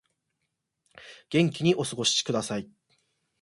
元気にお過ごしください